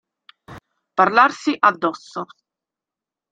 Parlarsi addosso.